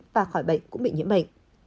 và khỏi bệnh cũng bị nhiễm bệnh